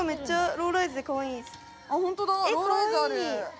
ローライズある。